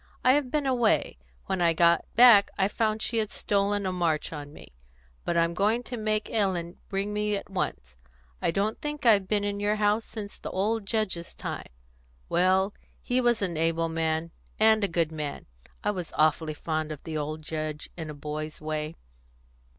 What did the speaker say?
I have been away; when I got back I found she had stolen a march on me. But I'm going to make Ellen bring me at once. I don't think I've been in your house since the old Judge's time. Well, he was an able man, and a good man; I was awfully fond of the old Judge, in a boy's way."